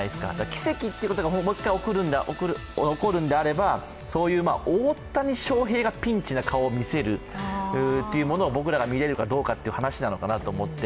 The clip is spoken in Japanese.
奇跡ということがもう一回起こるんであればそういう大谷翔平がピンチな顔を見せるというのを僕らが見れるかどうかという話なのかなと思って。